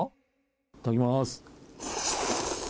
いただきます。